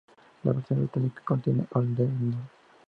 La versión británica contiene "Old Devil Moon".